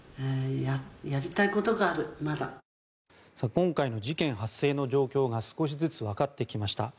今回の事件発生の状況が少しずつわかってきました。